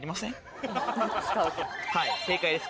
はい正解です